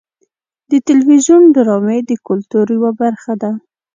د تلویزیون ډرامې د کلتور یوه برخه ده.